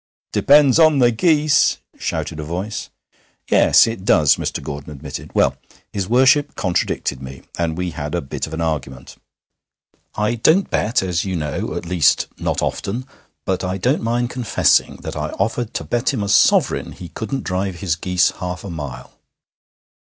'Depends on the geese!' shouted a voice. 'Yes, it does,' Mr. Gordon admitted. 'Well, his Worship contradicted me, and we had a bit of an argument. I don't bet, as you know at least, not often but I don't mind confessing that I offered to bet him a sovereign he couldn't drive his geese half a mile.